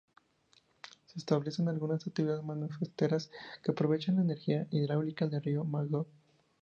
Se establecen algunas actividades manufactureras que aprovechan la energía hidráulica del río Magog.